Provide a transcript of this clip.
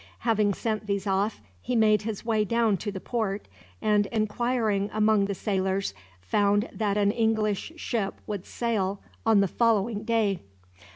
Having sent these off, he made his way down to the port and, inquiring among the sailors, found that an English ship would sail on the following day.